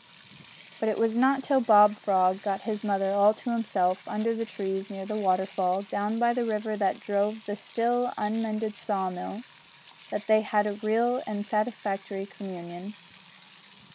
But it was not till Bob Frog got his mother all to himself, under the trees, near the waterfall, down by the river that drove the still unmended saw mill, that they had real and satisfactory communion.